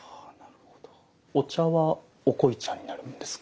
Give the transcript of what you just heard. お茶はお濃茶になるんですか？